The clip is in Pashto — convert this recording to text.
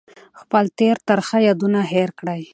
خپل تېر ترخه یادونه هېر کړئ.